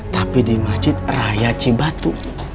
tapi di masjid raya cibatu